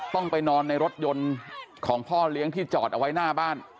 ต้องไปนอนในรถยนต์ของพ่อเลี้ยงที่จอดเอาไว้หน้าบ้าน